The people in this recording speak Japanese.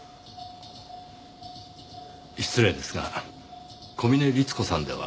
失礼ですが小峰律子さんでは。